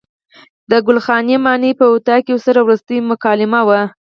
د ګل خانې ماڼۍ په اطاق کې ورسره وروستۍ مکالمه وه.